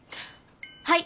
はい！